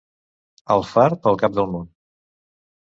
Alfarb, el cap del món.